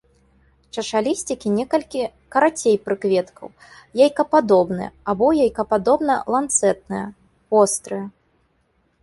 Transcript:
Чашалісцікі некалькі карацей прыкветкаў, яйкападобныя або яйкападобна-ланцэтныя, вострыя.